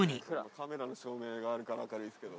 カメラの照明があるから明るいですけど。